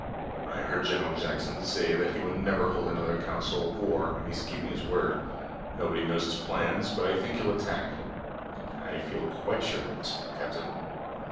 "I heard General Jackson say that he would never hold another council of war, and he's keeping his word. Nobody knows his plans, but I think he'll attack. I feel quite sure of it, captain."